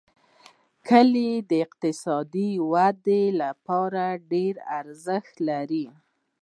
کلي د اقتصادي ودې لپاره ډېر ارزښت لري.